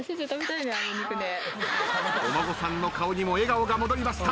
お孫さんの顔にも笑顔が戻りました。